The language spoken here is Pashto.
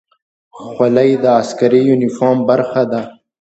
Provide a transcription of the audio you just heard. خولۍ د عسکري یونیفورم برخه ده.